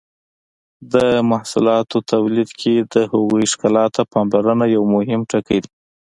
د محصولاتو تولید کې د هغوی ښکلا ته پاملرنه یو مهم ټکی دی.